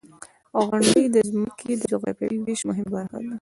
• غونډۍ د ځمکې د جغرافیوي ویش مهمه برخه ده.